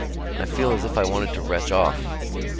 I feel as if I wanted to retch off."